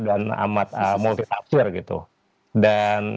dan amat multisaksir gitu dan